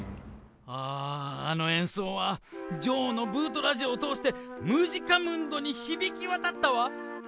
あぁあの演奏はジョーのブートラジオを通してムジカムンドに響き渡ったわ！